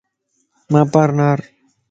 مان پار نار